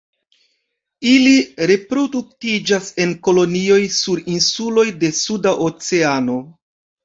Ili reproduktiĝas en kolonioj sur insuloj de Suda Oceano.